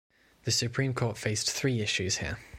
The Supreme Court faced three issues here.